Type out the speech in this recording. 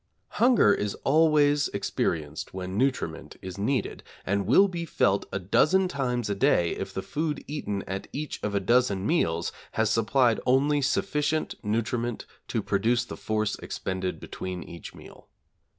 Hunger is always experienced when nutriment is needed, and will be felt a dozen times a day if the food eaten at each of a dozen meals has supplied only sufficient nutriment to produce the force expended between each meal.